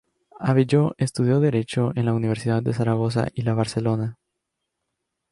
Abelló estudió derecho en la Universidad de Zaragoza y la Barcelona.